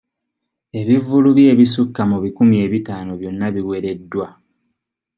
Ebivvulu bye ebisukka mu bikumi ebitaano byonna biwereddwa.